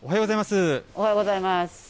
おはようございます。